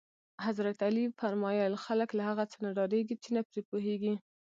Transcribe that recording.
حضرت علی فرمایل: خلک له هغه څه ډارېږي چې نه پرې پوهېږي.